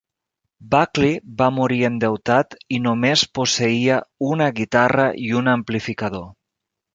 Buckley va morir endeutat i només posseïa una guitarra i un amplificador.